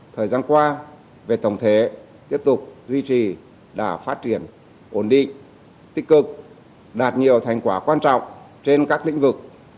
thời gian qua về tổng thể tiếp tục duy trì đã phát triển ổn định tích cực đạt nhiều thành quả quan trọng trên các lĩnh vực